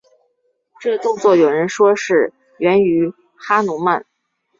这动作有人说是源于哈奴曼。